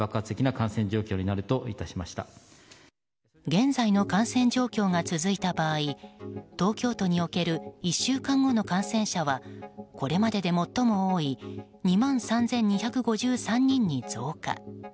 現在の感染状況が続いた場合東京都における１週間後の感染者はこれまでで最も多い２万３２５３人に増加。